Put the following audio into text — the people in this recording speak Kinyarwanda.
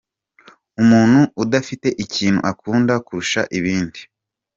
Umuntu udafite ikintu akunda kurusha ibindi.